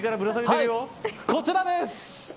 こちらです。